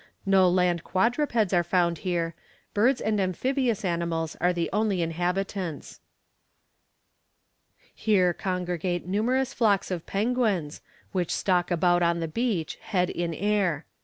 No land quadrupeds are found here; birds and amphibious animals are the only inhabitants." Here congregate numerous flocks of penguins, which stalk about on the beach, head in air.